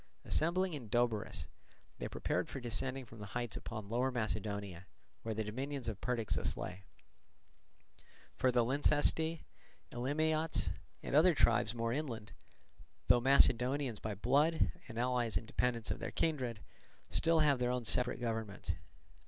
Assembling in Doberus, they prepared for descending from the heights upon Lower Macedonia, where the dominions of Perdiccas lay; for the Lyncestae, Elimiots, and other tribes more inland, though Macedonians by blood, and allies and dependants of their kindred, still have their own separate governments.